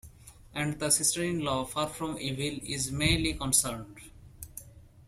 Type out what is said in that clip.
And the sister-in-law, far from evil, is merely concerned.